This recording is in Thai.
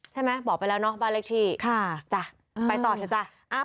ใช่ไหมบอกไปแล้วเนาะบ้านเลขที่ค่ะจ้ะไปต่อเถอะจ้ะ